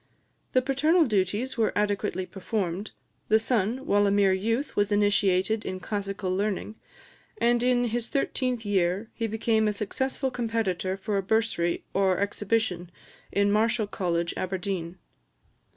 The paternal duties were adequately performed: the son, while a mere youth, was initiated in classical learning, and in his thirteenth year he became a successful competitor for a bursary or exhibition in Marischal College, Aberdeen.